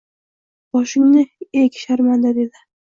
Boshingni eg sharmanda dedi.